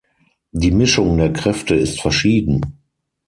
Die Mischung der Kräfte ist verschieden.